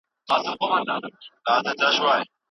حقوقپوهان ولي د وګړو شخصي حریم ساتي؟